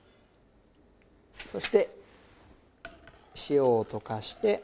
そして塩を溶かして。